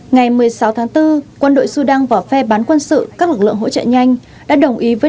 ngày một mươi sáu tháng bốn quân đội sudan và phe bán quân sự các lực lượng hỗ trợ nhanh đã đồng ý với